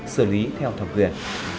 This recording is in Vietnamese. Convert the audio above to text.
xử lý theo thập quyền